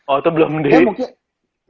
oh itu belum di